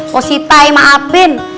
pak siti maafin